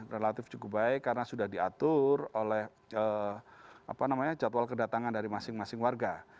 relatif cukup baik karena sudah diatur oleh jadwal kedatangan dari masing masing warga